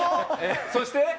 そして？